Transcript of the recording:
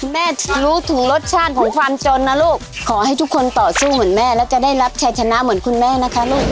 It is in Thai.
แม่รู้ถึงรสชาติของความจนนะลูกขอให้ทุกคนต่อสู้เหมือนแม่แล้วจะได้รับชัยชนะเหมือนคุณแม่นะคะลูก